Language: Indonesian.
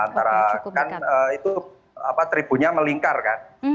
antara kan itu tribunya melingkar kan